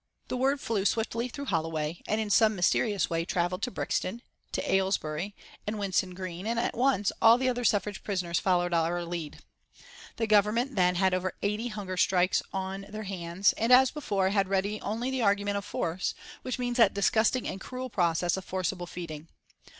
The word flew swiftly through Holloway, and in some mysterious way travelled to Brixton, to Aylesbury, and Winson Green, and at once all the other suffrage prisoners followed our lead. The Government then had over eighty hunger strikers on their hands, and, as before, had ready only the argument of force, which means that disgusting and cruel process of forcible feeding.